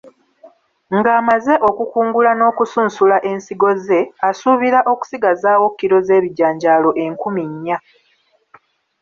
Ng’amaze okukungula n’okusunsula ensigo ze, asuubira okusigazaawo kilo z’ebijanjaalo enkumi nnya.